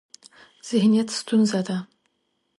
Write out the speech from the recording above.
ذهنیت ستونزه ده.